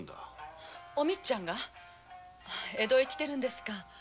おみつちゃんが知って来てるんですか？